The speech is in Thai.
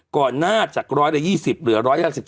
ก่อนน่าจะ๑๒๐หรือ๑๑๔